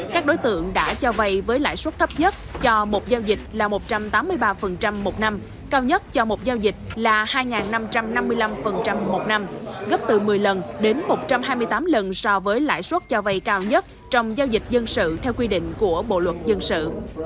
các đối tượng đã cho vay với lãi suất thấp nhất cho một giao dịch là một trăm tám mươi ba một năm cao nhất cho một giao dịch là hai năm trăm năm mươi năm một năm gấp từ một mươi lần đến một trăm hai mươi tám lần so với lãi suất cho vay cao nhất trong giao dịch dân sự theo quy định của bộ luật dân sự